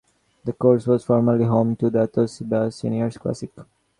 The course was formerly home to the Toshiba Seniors Classic.